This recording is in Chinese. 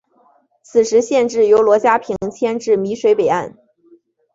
此时县治由罗家坪迁至洣水北岸。